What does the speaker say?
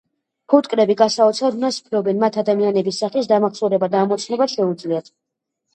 ფუტკრები გასაოცარ უნარს ფლობენ – მათ ადამიანების სახის დამახსოვრება და ამოცნობა შეუძლიათ